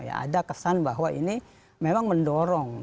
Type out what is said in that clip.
ada kesan bahwa ini memang mendorong